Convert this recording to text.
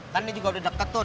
kan dia juga udah deket tuh